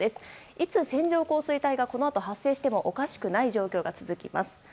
いつ、線状降水帯がこのあと発生してもおかしくない状況が続きます。